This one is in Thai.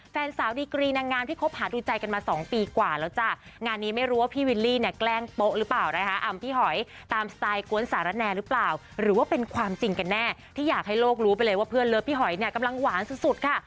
พี่อยากให้โลกรู้ไปเลยว่าเพื่อนเลิฟพี่หอยเนี่ยกำลังหวานสุดค่ะ